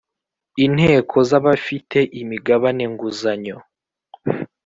Inteko z abafite imigabane nguzanyo